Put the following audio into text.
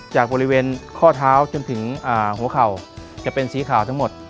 จากบริเวณข้อเท้าจนถึงหัวเข่าจะเป็นสีขาวทั้งหมด